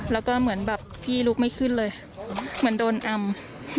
แล้วก็เหมือนแบบพี่ลุกไม่ขึ้นเลยเหมือนโดนอำ